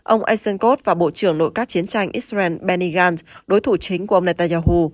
ông esenkot và bộ trưởng nội các chiến tranh israel benny gant đối thủ chính của ông netanyahu